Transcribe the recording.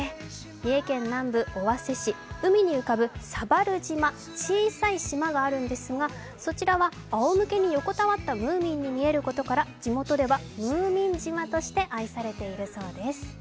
三重県南部・尾鷲市、海に浮かぶ佐波留島、小さい島があるんですが、あおむけに横たわったムーミンに見えることから地元ではムーミン島として愛されているそうです。